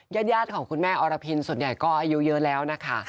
ญาติของคุณแม่อรพินส่วนใหญ่ก็อายุเยอะแล้วนะคะ